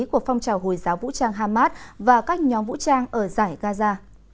của phong trào hồi giáo vũ trang hamas và các nhóm vũ trang ở giải gaza